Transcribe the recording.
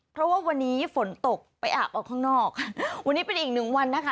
เพราะว่าวันนี้ฝนตกไปอาบออกข้างนอกค่ะวันนี้เป็นอีกหนึ่งวันนะคะ